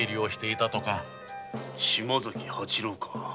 島崎八郎か。